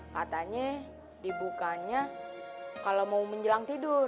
katanya dibukanya kalau mau menjelang tidur